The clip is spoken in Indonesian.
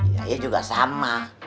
ya juga sama